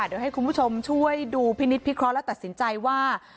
เดี๋ยวให้คุณผู้ชมช่วยดูพินิษฐพิเคราะห์และตัดสินใจว่า